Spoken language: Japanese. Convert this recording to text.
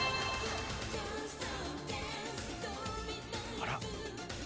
あら？